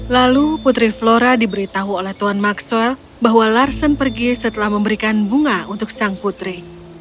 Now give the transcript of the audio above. lalu putri flora diberitahu oleh tuan maxwell bahwa larsen pergi setelah memberikan bunga untuk sang putri